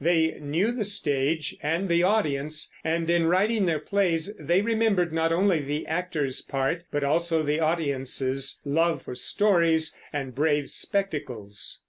They knew the stage and the audience, and in writing their plays they remembered not only the actor's part but also the audience's love for stories and brave spectacles.